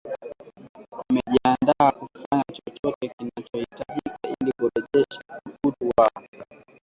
wamejiandaa kufanya chochote kinachohitajika ili kurejesha utu wao